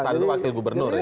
saat itu wakil gubernur ya